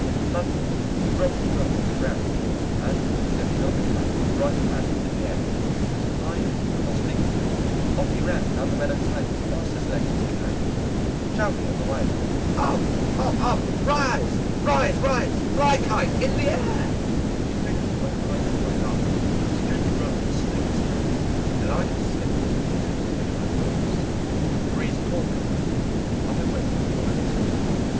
Suddenly he dropped the tail upon the ground, and lifting up the Kite with his right hand in the air, as high as he possibly could, off he ran down the meadow slope as fast as his legs could carry him, shouting all the way, "Up, up, up! rise, rise, rise! fly, Kite, in the air!" He finished by throwing the Kite up, continuing to run with the string in his hand, allowing it to slip through his fingers as the Kite rose. The breeze caught the Kite, and up it went in fine style.